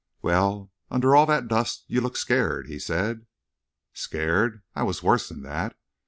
"Well, under all that dust you look scared," he said. "Scared! I was worse than that.